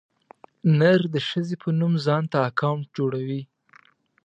نر د ښځې په نوم ځانته اکاونټ جوړوي.